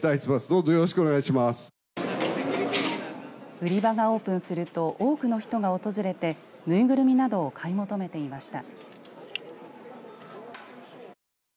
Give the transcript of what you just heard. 売り場がオープンすると多くの人が訪れて縫いぐるみなどを買い求めていました。